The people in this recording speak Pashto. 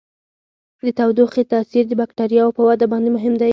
د تودوخې تاثیر د بکټریاوو په وده باندې مهم دی.